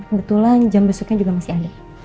kebetulan jam besoknya juga masih ada